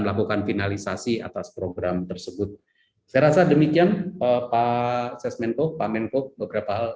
melakukan finalisasi atas program tersebut saya rasa demikian pak sesmenko pak menko beberapa hal